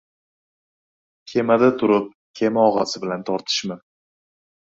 • Kemada turib kema og‘asi bilan tortishma.